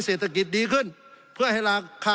สงบจนจะตายหมดแล้วครับ